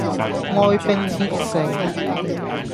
哀兵必勝